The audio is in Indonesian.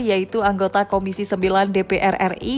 yaitu anggota komisi sembilan dpr ri